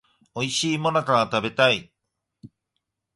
おいしい最中が食べたい